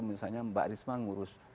misalnya mbak risma ngurus